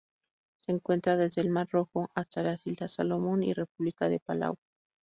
Se encuentra desde el Mar Rojo hasta las Islas Salomón y República de Palau.